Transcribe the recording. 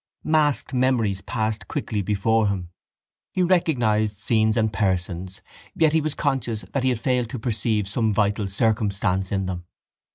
Masked memories passed quickly before him: he recognised scenes and persons yet he was conscious that he had failed to perceive some vital circumstance in them.